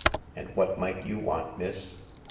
" And what might you want, miss ?"